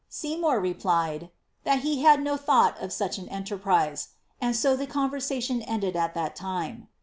'' Seymour replied, ^ that he had no thought of such an enterprise," and so the conversation ended for that time.'